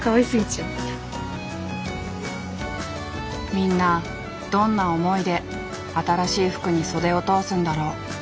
みんなどんな思いで新しい服に袖を通すんだろう。